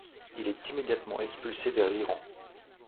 Il est immédiatement expulsé vers l'Iran.